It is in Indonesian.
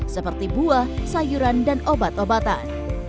seperti buah sayuran dan obat obatan